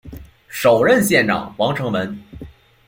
首任县长王成文。